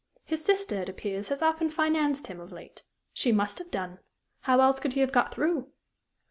His sister, it appears, has often financed him of late. She must have done. How else could he have got through?